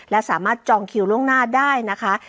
และสามารถจองคิวล่วงหน้าได้นะคะ